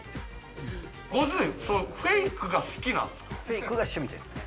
ご主人、フェイクが好きなんですか？